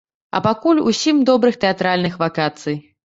А пакуль усім добрых тэатральных вакацый!